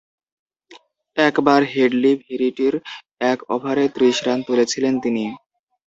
একবার হেডলি ভেরিটি’র এক ওভারে ত্রিশ রান তুলেছিলেন তিনি।